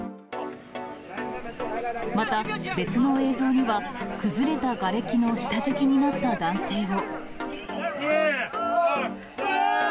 また別の映像には、崩れたがれきの下敷きになった男性を。